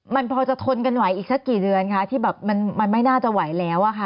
มันพอจะทนกันไหวอีกสักกี่เดือนคะที่แบบมันไม่น่าจะไหวแล้วอะค่ะ